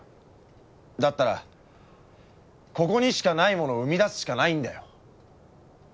だったらここにしかないものを生み出すしかないんだよ。